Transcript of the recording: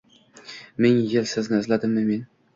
Ming yil sizni izladimmi men?